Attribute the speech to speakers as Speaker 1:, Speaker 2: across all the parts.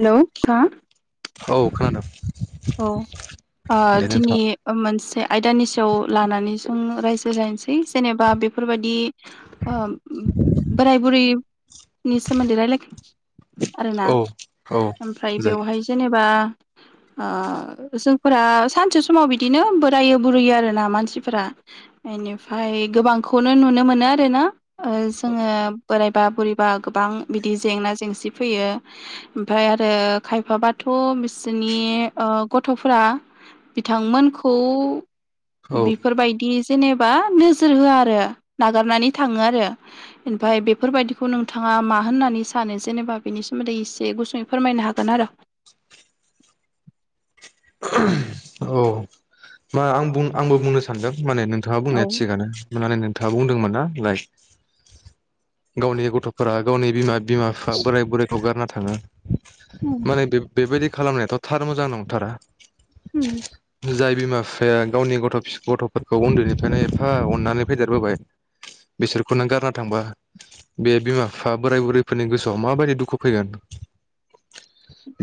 Speaker 1: Hello हो।
Speaker 2: औ खोनादों
Speaker 1: औ ओ
Speaker 2: दे नोंथां
Speaker 1: दिनै मोनसे आयदानि सायाव लानानै उम रायजो लासै जेनेबा बेफोरबायदि ओहोम ओ बोराय बुरै नि सोमोन्दै रायलाय आरोना
Speaker 2: औ औ
Speaker 1: ओमफ्राय
Speaker 2: जायो
Speaker 1: बेवहाय जेनेबा ओ जोंफोरा सानसे समाव बिदिनो बोरायो बुरैयो आरोना मानसिफोरा बेनिफ्राय गोबांखौनो नुनो मोनो आरोना ओ जोङो बोराय बा बोरैबा गोबां बिदि जेंना जेंसि फैयो ओमफाय आरो खायफाबाथ' बिसिनि ओ गथ'फोरा बिथांमोनखौ
Speaker 2: औ
Speaker 1: बेफोरबायदि जेनेबा नोजोर होआ आरो नागारनानै थाङो आरो ओमफाय बेफोरबायदिखौ नोंथाङा मा होननानै सानो जेनेबा बेनि सोमोन्दै एसे गुसुङै फोरमायनो हागोन आरो
Speaker 2: औ मा आं बुं आंबो बुंनो सानदों माने नोंथाङा
Speaker 1: औ
Speaker 2: बुंनाया थिगानो। होननानै नोंथाङा बुंदोंमोन ना बिबाय गावनि गथफोरा गावनि बिमा बिमा बिफा बोराय बुरैखौ गारना थाङो। माने बेब बेबायदि खालामनायाथ थार मोजां नंथारा। [unintelligible]
Speaker 1: होम
Speaker 2: जाय बिमा बिफाया गावनि गथ फि गथफोरखौ उन्दैनिफ्रायनो एफा अननानै फैदेरबोबाय बिसोरखौ नों गारना थांबा बे बिमा बिफा बोराय बुरैफोरनि गोसोआव माबायदि दुखु फैगोन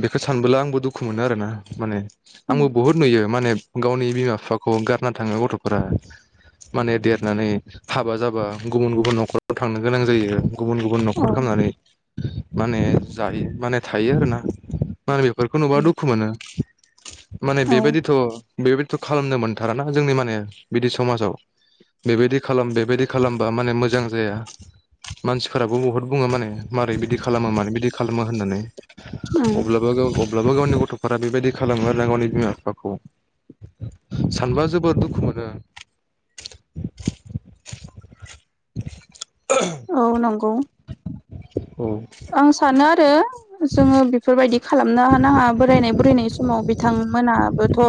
Speaker 2: बेखौ सानबोला आंबो दुखु मोनो आरोना माने आंबो बहुत नुयो माने गावनि बिमा बिफाखौ गारना थाङो गथफोरा माने देरनानै हाबा जाबा गुबुन गुबुन नखराव थांनो गोनां जायो। गुबुन गुबुन नखर
Speaker 1: औ
Speaker 2: खामनानै माने जायो माने थायो आरोना। आं इफोरखौ दुखु मोनो। माने
Speaker 1: औ
Speaker 2: बेबायदिथ। बेबायदिथ खालामनो मोनथारा ना जोंनि माने बिदि समाजाव। बेबायदि खालाम बेबायदि खालामबा माने मोजां मोजां जाया मानसिफोराबो बुहुत बुङो माने मारै बिदि खालामा मानो बिदि खालामा होननानै अब्लाबो गाव अब्ला बो गावनि गथफोरा बेबायदि खालामो आरोना गावनि बिमा बिफाखौ सानबा जोबोर दुखु मोनो [inaudible]
Speaker 1: औ नंगौ।
Speaker 2: [inaudible]
Speaker 1: आं सानो आरो। जोङो बेफोरबायदि खालामनो नाङा बोरायनाय बुरैनाय समाव बिथांमोनाबोथ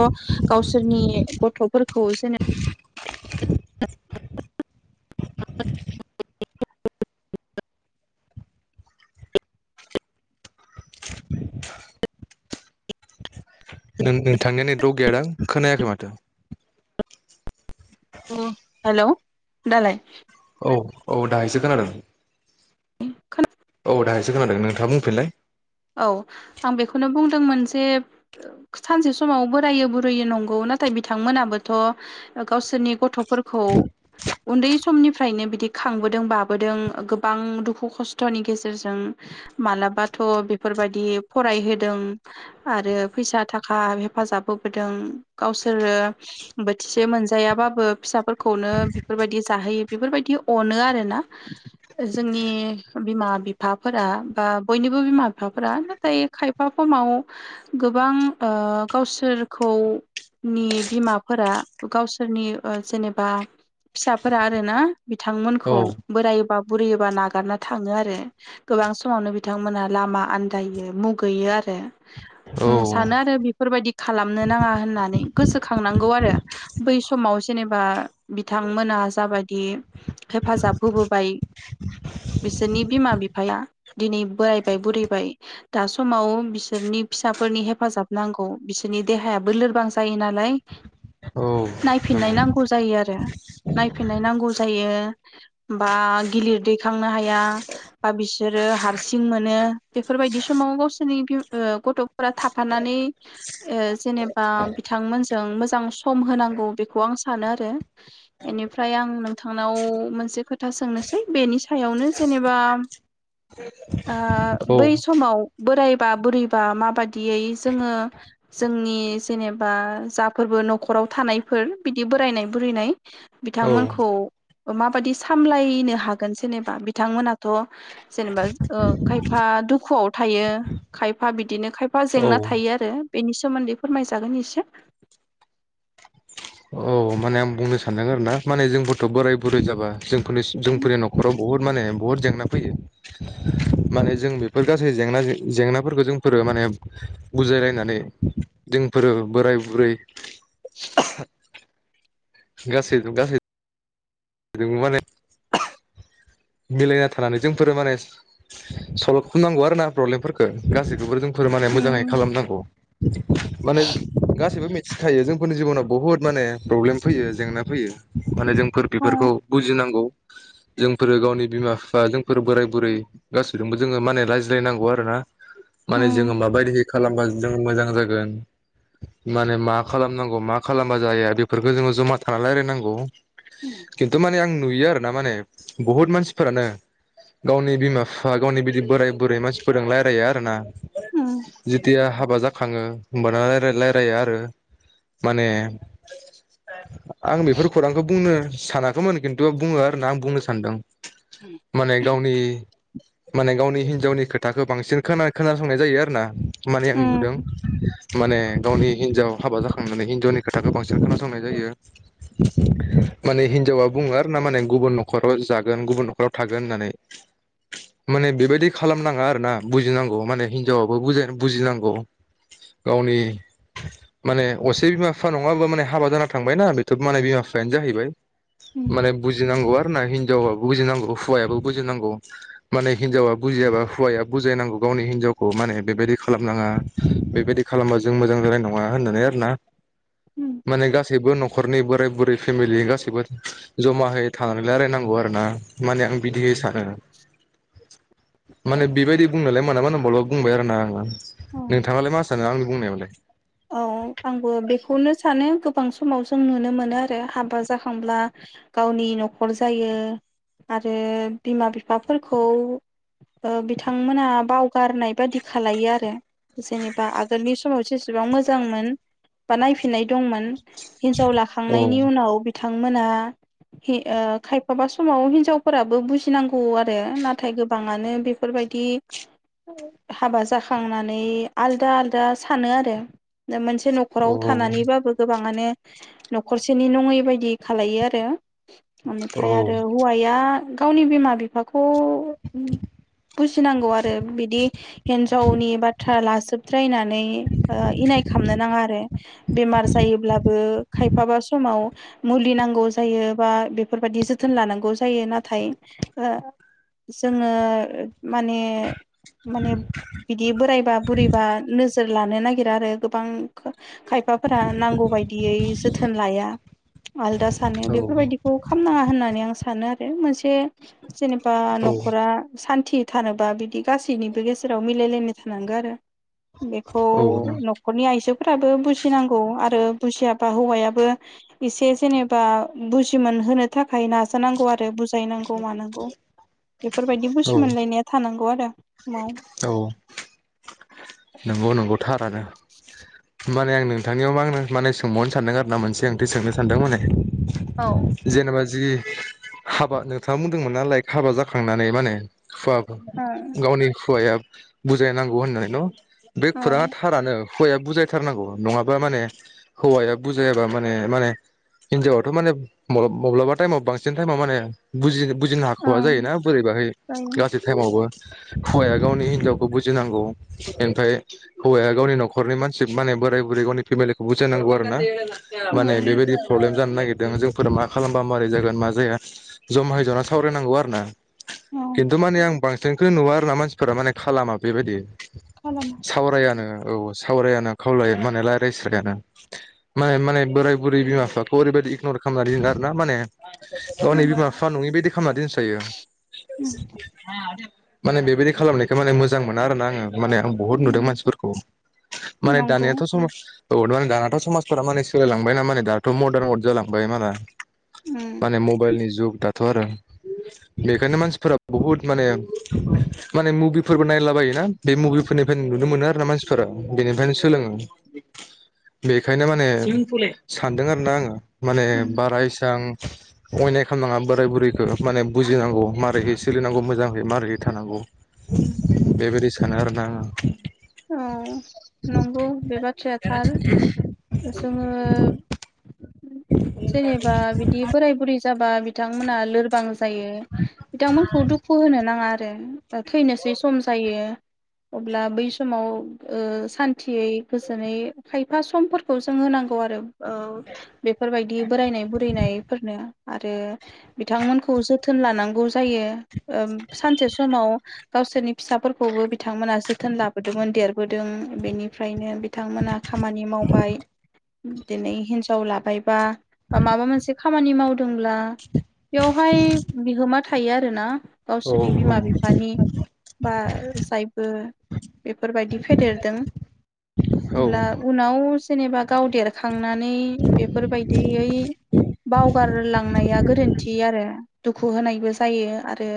Speaker 1: गावसोरनि गथफोर
Speaker 2: [inaudible] [inaudible] [inaudible]
Speaker 1: [unintelligible]
Speaker 2: [inaudible] नों नोंथांनिया नेट अवार्क गैयादां खोनायाखै माथो।
Speaker 1: [inaudible] हेलौ दालाय।
Speaker 2: औ औ दा एसे खोनादों।
Speaker 1: [unintelligible]
Speaker 2: अ दा एसे खोनादों नोंथाङा बुंफिनलाय।
Speaker 1: औ आं बेखौनो बुंदोंमोन जे सानसे समाव बोरायो बुरैयो नंगौ नाथाय बिथांमोनाबोथ गावसोरनि गथ फोरखौ। उन्दै समनिफ्रायनो बिदि खांबोदों बाबोदों गोबां दुखु खस्थनि गेजेरजों मालाबाथ बे फोरबायदि फरायहोदों आरो फैसा थाखा हेफाजाब होबोदों गावसोरो बोथिसे मोनजायाबाबो फिसाफोरखौनो बेफोरबायदि जाहोयो बेफोरबायदि अनो आरो ना जोंनि बिमा बिफाफोरा बा बयनिबो बिमा बि फाफोरा नाथाय खायफा समाव गोबां ओ गावसोरखौनि बिमाफोरा गावसोरनि ओ जेनेबा फिसाफोरा आरो ना।
Speaker 2: औ
Speaker 1: बिथांमोनखौ बोरायबा। बुरियोबा नागारना थाङो आरो गोबां समावनो बिथांमोनहा लामा। आनदायो मुगैयो
Speaker 2: औ
Speaker 1: आरो सानो आरो बेफोरबायदि खालामनो नाङा होननानै गोसोखांनांगौ आरो बै समाव जेनेबा बिथांमोना जाबायदि हेफाजाब होबोबाय बिसोरनि बिमा बिफाया दिनै बोरायबाय बुरै बाय दा समाव बिसोरनि फिसाफोरनि हेफाजाब नांगौ बिसोरनि देहायाबो लोरबां जायो नालाय नायफिननाय
Speaker 2: नंगौ
Speaker 1: नांगौ जायो आरो नायफिननाय नांगौ जायो बा गिलिर दैखांनो हाया बा बिसोरो हारसिं मोनो। बेफोरबायदि समाव गावसोरनि बि ओ गथफोरा थाफानानै ओ जेनेबा बिथांमोनजों मोजां सम होनांगौ बेखौ आं सानो आरो इनिफ्राय आं नोंथांनाव मोनसे खोथा सोंनोसै बेनि सायावनो जेनेबा। बै समाव। बोरायबा बुरैबा माबादियै जोङो जोंनि जेनेबा जाफोरबो नखराव थानायफोर बिदि बोरायनाय बुरैनाय
Speaker 2: औ
Speaker 1: बिथांमोनखौ माबादि सामलायनो हागोन जेनेबा बिथांमोनाथ जेनेबा ओ खाय फा दुखुआव थायो खायफा बिदिनो खायफा
Speaker 2: औ
Speaker 1: जेंना थायो आरो बेनि सोमोन्दै फोरमायजागोन एसे।
Speaker 2: औ माने आं बुंनो सानदों आरो ना माने जोंफोरथ बोराय बुरै जाबा जोंफोरनि
Speaker 1: उम
Speaker 2: जोंफोरनि नखराव बहुद माने बुहुद जेंना फैयो माने जों बेफोर गासै जेंना जेंनाफोरखौ जोंफोरो माने बुजायलायनानै जोंफोरो बोराय बुरै।
Speaker 1: [inaudible]
Speaker 2: गास गास। माने। मिलायना थानानै जोंफोरो माने सल्भ खालामनांगौ आरो ना प्रब्लेमफोरखौ गासैखौबो जों। फोरमान मोजाङै
Speaker 1: उम
Speaker 2: खालामनांगौ। [inaudible] माने गासिबो। सिखायो जोंफोरनि जिबनाव बुहुद माने प्रब्लेम फैयो जेंना फैयो। माने जोंफोर बेफोरखौ बुजिनांगौ। जों। फोरो गावनि बिमा बिफा जोंफोर बोराय बुरै गासैजोंबो जोङो माने रायज्लायनांगौ आरो ना माने जोङो
Speaker 1: उम
Speaker 2: माबायदिहै खालामबा जोङ मोजां जागोन माने मा खालामनांगौ मा खालामबा जाया बेफोरखौ जोङो जमा थाना रायज्लायनांगौ।
Speaker 1: उम
Speaker 2: खिन्थु माने आं। नुयो आरो ना माने। बुहुद मानसिफोरानो गावनि बिमा बिफा गावनि बिदि बोराय बुरै मानसिफोरजों रायलाया आरो ना।
Speaker 1: उम
Speaker 2: जिथिया। हाबा जाखाङो होमबाना राय रायलायो आरो माने। आं बेफोर खौरांखौ बुंनो। सानाखैमोन खिन्थु बुङो आरो आं बुंनोसै। सान्दों। माने गावनि। माने गावनि हिनजावनि खोथाखो बांसिन खोना खोनासंनाय जायो आरो ना। माने आं नुदों। माने गावनि हिनजाव हाबा जाखांनानै हिनजावनि खोथाखौ बांसिन खोनासंनाय जायो माने हिनजावा बुङो आरो ना माने गुबुन नख खराव जागोन गुबुन नखराव थागोन होननानै माने बेबायदि खालामनाङा आरोना बुजिनांगौ माने हिनजावाबो बुजायनो बुजिनांगौ गावनि माने असे बिमा बिफा नङाबा माने हाबा जाना थांबायनाा बेथ माने बिमा बिफायानो जाहैबाय माने बुजिनांगौआ। ना हिनजावाब बुजिनांगौ हौवायाबो बुजिनांगौ माने हिनजावा बुजियाबा हौवाया बुजायनांगौ गावनि हिनजावखौ माने बेबायदि खालामनाङा बेबायदि खालामबा जों मोजां जानाय नङा होननानै आरो ना।
Speaker 1: उम
Speaker 2: माने गासै। गासैबो नख'रनि बोराय बुरै फेमिलि गासैबो जमाहै थानानै रायलायनांगौ आरोना माने आं बिदि सानो माने बेबायदि बुंनोलाय [unintelligible] बुंबाय आरो ना आङो
Speaker 1: उम
Speaker 2: नोंथाङालाय मा सानो आंनि बुंनायावलाय
Speaker 1: औ आंबो बेखौनो सानो गोबां समाव जों नुनो मोनो आरो हाबा जाखांब्ला गावनि नख'र जायो आरो बिमा बिफाफोरखौ ओ बिथांमोना बावगारनाय बादि खालायो आरो जेनेबा आगोलनि समाव जेसेबां मोजांमोन बा नायफिननाय दंमोन हिनजाव
Speaker 2: औ
Speaker 1: लाखांनायनि उनाव बिथां बिथांमोना हि ओ खायफाबा समाव हिनजावफोराबो बुजिनांगौ आरो नाथाय गोबाङानो बेफोरबायदि हाबा जाखांना नै आलदा आलदा सानो आरो जों मोनथि बे
Speaker 2: औ
Speaker 1: नख'राव थानानैबाबो गोबाङानो नख'रसेनि नङै बायदि खालायो आरो एनिफ्राय
Speaker 2: औ
Speaker 1: आरो हौवाया गावनि बिमा बिफाखौ बुजिनांगौ आरो बिदि हिन्जावनि बा थ्रा लासोबद्रायनानै ओ इनाय खामनो नाङा आरो बेमार जायोब्लाबो खायफाबा समाव मुलि नांगौ जायो बा बेफोरबायदि जोथोन लानांगौ जायो नाथाय ओ जोङो माने माने बिदि बोराय बुरैबा नोजो जोर लानो नागिरा आरो गोबां खायफाफोरा नांगौ बायदियै जोथोन लाया आलदा सानो
Speaker 2: औ
Speaker 1: बेफोरबायदिखौ खालामनाङा होननानै आं सानो आरो [unintelligible] ए जेनेबा
Speaker 2: औ
Speaker 1: नख'रा सान थि थानोबा बिदि गासैनिबो गेजेराव मिलायलायनाय नांगौ आरो। बेखौ
Speaker 2: औ नों
Speaker 1: नख'रनि आइजोफोराबो बुजिनांगौ आरो बुजियाबा हौवायाबो एसे जेनेबा बुजिमोनहोनो थाखाय नाजानांगौ आरो बु बुजायनांगौ मानांगौ बेफोरबायदि बुजि
Speaker 2: औ
Speaker 1: मोनलायनाया थानांगौ आरो। समाव
Speaker 2: औ। नंगौ नंगौ थारानो। [inaudible] होनबानिया आं नोंथांनियाव मानो। माने सोंबावनो सानदों आरोना मोनसे ओंथि सोंनो सानदों माने।
Speaker 1: औ
Speaker 2: जेनेबा जि हाबा नोंथाङा बुंदोंमोनि लायक हाबा जाखांनानै माने। हुवा गावनि हुवाया बुजायनांगौ होननानै न बे खुराङा थारानो। हुवाया बुजायथारनांगौ नङाबा माने हौवाया बुजायाबा माने माने हिनजावथ' माने माब्लाबा टाइमाव बांसिन टाइमाव माने बुजि बुजिनो
Speaker 1: औ
Speaker 2: हाख'वा जायोना बोरैबाहाय
Speaker 1: जायो
Speaker 2: गासै टाइमावबो हौवाया गावनि हिनजावखौ बुजिनांगौ। [unintelligible] ओमफ्राय हौवाया गावनि न'खरनि मानसि माने बोराय बुरै गावनि फेमिलिखौ बुजायनांगौ आरो ना। माने
Speaker 1: उम
Speaker 2: बेबायदि प्रब्लेम जानो नागिरदों। जोंफोरा मा खालामबा माबारै जागोन मा जाया ज'मायै जना सावरायनांगौ आरो ना।
Speaker 1: औ
Speaker 2: खिनथु माने आं बां खौनो नुवा आरो ना मानसिफोरा माने खालामा बेबायदि।
Speaker 1: खालामो
Speaker 2: सावराया नो। औ सावरायानो खावलाया माने रायज्लायस्रायानो माने माने बोराय बुरै बिमा बिफाखौ ओरैबायदि इगनर खालामनानै दोनो आरोना माने। हनै
Speaker 1: उम
Speaker 2: बिमा बिफा नङै बायदि खालामना दोनस्रायो।
Speaker 1: उम
Speaker 2: माने बेबायदि खालामनायखौ माने मोजां मोना आरो ना आङो माने। बहुद नुदों
Speaker 1: उम
Speaker 2: मानसिफोरखौ माने
Speaker 1: नंगौ
Speaker 2: दानियाथ' सम औ वद माने दानाथ समाजफोरा माने सोलायलांबायनाा माने दाथ मदार्न वर जालांबाय माला
Speaker 1: उम
Speaker 2: माने मबाइल नि जुग। दाथ' आरो बेखायनो मानसिफोरा बुहुत माने माने मुभिफोरबो नायलाबायोना बे मुभि फोरनिफ्राय नुनो मोनो आरो ना मानसिफोरा। बेनिफ्रायनो सोलोङो। बेखायनो माने [unintelligible] सानदों आरो ना आङो माने
Speaker 1: उम उम
Speaker 2: बारा इसां अयनाय खालामनाङा बोराय बुरैखौ माने बुजिनांगौ मारै सोलिनांगौ मोजाङै मारै थानांगौ। बेबादि सानो आरोना आं। [inaudible]
Speaker 1: औ नंगौ बे बाथ्राया थार। जोङो जेनेबा बिदि बोराय बुरै जाबा बिथांमोना लोरबां जायो बिथांमोनखौ दुखु होनो नाङा आरो। जों थैनोसै सम जायो। अब्ला बै समाव ओ सान्थियै गोजोनै खायफा समफोर खौ जों होनांगौ आरो, औ बेफोरबायदि बोरायनाय बुरैनायफोरनो आरो बिथांमोनखौ जोथोन लानां गौ जायो, ओ सानसे समाव गावसोरनि फिसाफोरखौबो बिथांमोना जोथोन लाबोदोंमोन देरबोदों बेनिफ्रायनो बिथांमोना खामानि मावबाय। दिनै हिन्जाव लाबायबा, बा माबा मोनसे, खामानि मावदोंब्ला बेवहाय बिहोमा थायो आरो ना,
Speaker 2: औ
Speaker 1: गावसोरनि बिमा बिफानि बा जायफोर बेफोरबायदि फेदेरदों
Speaker 2: औ
Speaker 1: अब्ला उनाव जेनेबा गाव देरखांनानै बेफोरबायदियै बावगारलांनाया गोरोन्थि आरो दुखु होनायबो जायो आरो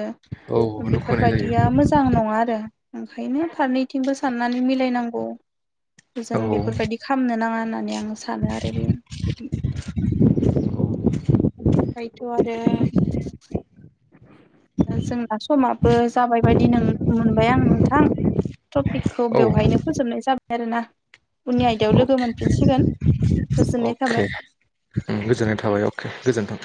Speaker 2: औ
Speaker 1: बे
Speaker 2: दुखुनाय जायो
Speaker 1: बेफोरबायाददिया मोजां नङा आरो, ओंखायनो फारनैथिंबो साननानै मिलायनांगौ, जों
Speaker 2: औ
Speaker 1: बेफोरबायदि खा होनाङा होन्नानै आं सानो आरो बे बिदि बेनिफ्रायथ' आरो जोंना समाबो जाबाय बादि मोन मोनबाय आं नोंथां टपिकखौ
Speaker 2: औ
Speaker 1: बेवहायनो फोजोबनाय जाबाय, आरोना। उननि आयदायाव लोगो
Speaker 2: अक
Speaker 1: मोनफिनसिगोन
Speaker 2: अक
Speaker 1: गोजोननाय थाबाय
Speaker 2: अके गोजोननाय थाबाय अके गोजोन्थों।